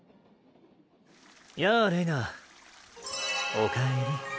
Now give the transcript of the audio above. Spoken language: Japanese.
やあれいなおかえり。